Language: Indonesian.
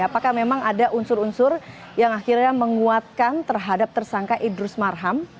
apakah memang ada unsur unsur yang akhirnya menguatkan terhadap tersangka idrus marham